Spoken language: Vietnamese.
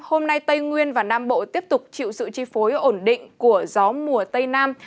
hôm nay tây nguyên và nam bộ tiếp tục chịu sự chi phối ổn định của gió mùa tây nam